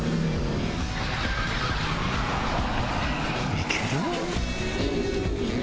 いける？